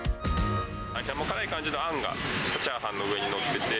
甘辛い感じのあんがチャーハンの上に載ってて。